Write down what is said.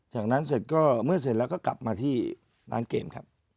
จากนั้นเสร็จก็เมื่อเสร็จแล้วก็กลับมาที่ร้านเกมครับ